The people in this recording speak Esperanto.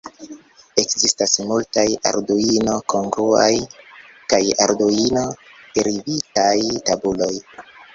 Ekzistas multaj Arduino-kongruaj kaj Arduino-derivitaj tabuloj.